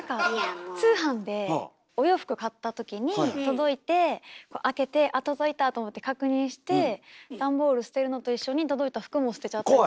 通販でお洋服買ったときに届いて開けて「あ届いた」と思って確認して段ボール捨てるのと一緒に届いた服も捨てちゃったり。